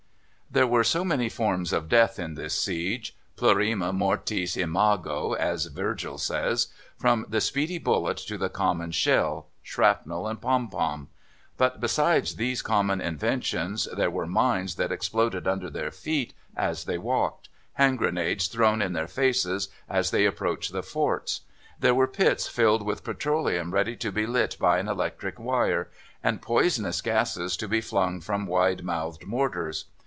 There were so many forms of death in this siege plurima mortis imago, as Virgil says from the speedy bullet to the common shell, shrapnel, and pom pom. But besides these common inventions there were mines that exploded under their feet as they walked, hand grenades thrown in their faces as they approached the forts; there were pits filled with petroleum ready to be lit by an electric wire, and poisonous gases to be flung from wide mouthed mortars.